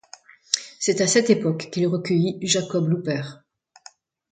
C’est à cette époque qu’il recueillit Jacob Louper.